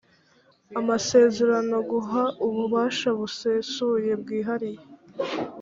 amasezerano guha ububasha busesuye bwihariye